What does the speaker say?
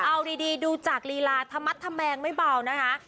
เอาดีดูจากลีลาธมัดธแมงไม่เบานะคะ